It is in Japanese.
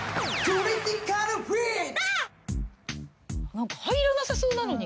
何か入らなさそうなのに。